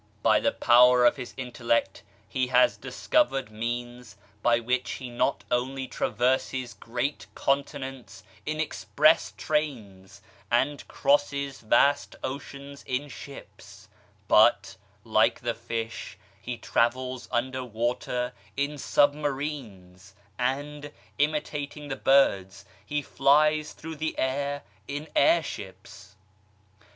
By the power of his intellect he has discovered means by which he not only traverses great continents in express trains and crosses vast oceans in ships, but, like the fish, he travels under water in submarines, and, imitating the birds, he flies through the air in airships.